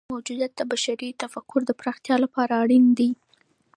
د فلسفې موجودیت د بشري تفکر د پراختیا لپاره اړین دی.